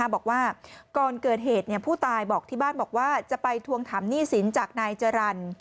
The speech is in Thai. บอกว่าก่อนเกิดเหตุผู้ตายบอกที่บ้านบอกว่าจะไปทวงถามหนี้สินจากนายจรรย์